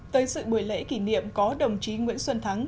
tới sự buổi lễ kỷ niệm có đồng chí nguyễn xuân thắng